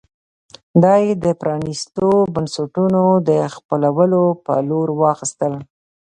دا یې د پرانېستو بنسټونو د خپلولو په لور واخیستل.